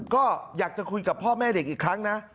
ก็อยากจะคุยกับพ่อแม่เด็กอีกครั้งนะ